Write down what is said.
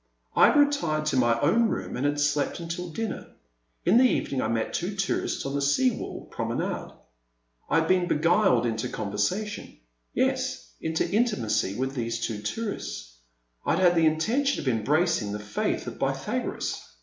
I had retired to my own room and had slept until dinner. In the evening I met two tourists on the sea wall prom enade. I had been beguiled into conversation — yes, into intimacy with these two tourists ! I had had the intention of embracing the faith of Py thagoras